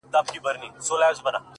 هغې ويل ه نور دي هيڅ په کار نه لرم!!